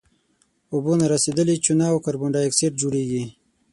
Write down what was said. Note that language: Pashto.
اوبه نارسیدلې چونه او کاربن ډای اکسایډ جوړیږي.